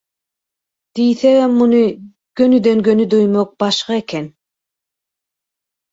diýsegem muny gönüden-göni duýmak başga eken.